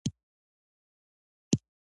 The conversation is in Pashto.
د باران څاڅکي پر کړکۍ لګېږي.